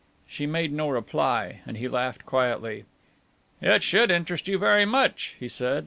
She made no reply, and he laughed quietly. "It should interest you very much," he said.